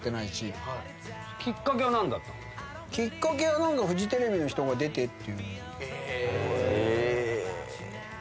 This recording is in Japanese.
きっかけはフジテレビの人が「出て」って。